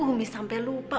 umi sampai lupa